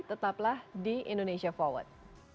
tetaplah di indonesia forward